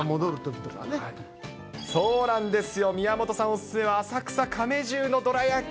そうなんですよ、宮本さんお勧めは浅草亀十のどら焼き。